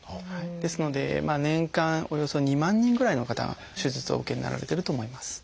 ですので年間およそ２万人ぐらいの方が手術をお受けになられてると思います。